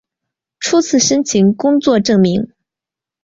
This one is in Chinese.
初次申请工作证明